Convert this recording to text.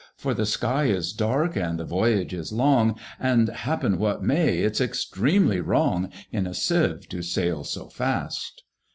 For the sky is dark, and the voyage is long, And happen what may, it's extremely wrong In a Sieve to sail so fast!"